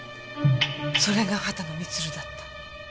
それが秦野満だった。